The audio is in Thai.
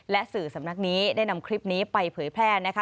และสื่อสำนักนี้ได้นำคลิปนี้ไปเผยแพร่นะคะ